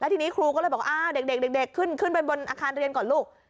แล้วที่นี้ครูก็เลยบอกอ้าเด็กขึ้นบนทางอาคารเรียนก่อนลูก